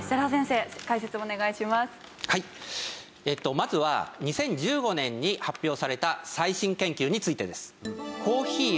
まずは２０１５年に発表された最新研究についてです。